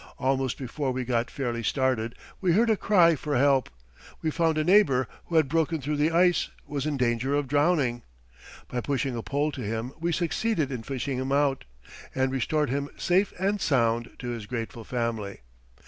Almost before we got fairly started we heard a cry for help, and found a neighbour, who had broken through the ice, was in danger of drowning. By pushing a pole to him we succeeded in fishing him out, and restored him safe and sound to his grateful family.